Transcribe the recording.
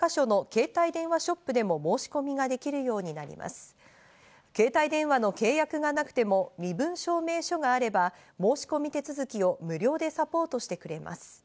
携帯電話の契約がなくても身分証明書があれば、申し込み手続きを無料でサポートしてくれます。